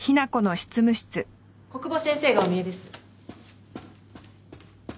小久保先生がお見えです。